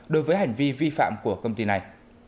đối với hành vi vi phạm của công ty này